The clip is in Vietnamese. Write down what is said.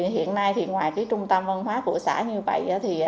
hiện nay ngoài trung tâm văn hóa của xã như vậy